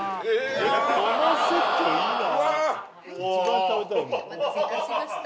はいお待たせいたしました